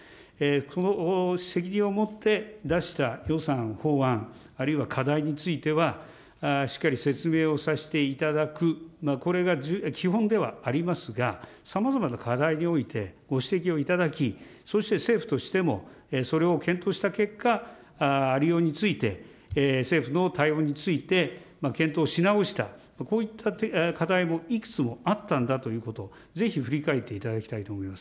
その責任を持って出した予算、法案、あるいは課題については、しっかり説明をさせていただく、これが基本ではありますが、さまざまな課題において、ご指摘をいただき、そして政府としても、それを検討した結果、ありようについて、政府の対応について、検討し直した、こういった課題もいくつもあったんだということ、ぜひ振り返っていただきたいと思います。